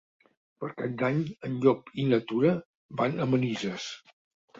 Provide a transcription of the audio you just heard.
Per Cap d'Any en Llop i na Tura van a Manises.